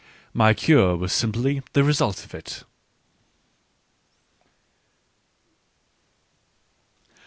. My cure was simply the result of it.